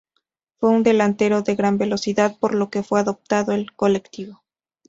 Fue un delantero de gran velocidad, por lo que fue apodado el Colectivo.